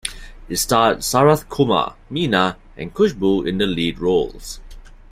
It starred Sarath Kumar, Meena and Kushboo in the lead roles.